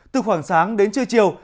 từ khoảng sáng đến trưa chiều